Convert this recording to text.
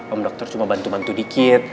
om dokter cuma bantu bantu dikit